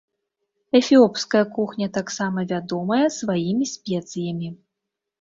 Эфіопская кухня таксама вядомая сваімі спецыямі.